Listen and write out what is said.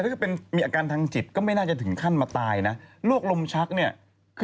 ถ้าเกิดเป็นมีอาการทางจิตก็ไม่น่าจะถึงขั้นมาตายอีก